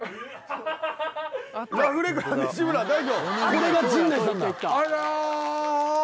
これが陣内さんだ。